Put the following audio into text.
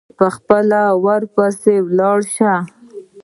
پخپله به ورپسي ولاړ شي.